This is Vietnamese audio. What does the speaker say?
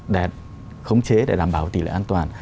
để khống chế để đảm bảo tỷ lệ an toàn